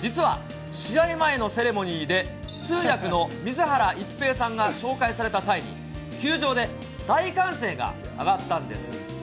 実は、試合前のセレモニーで、通訳の水原一平さんが紹介された際に、球場で、大歓声が上がったんです。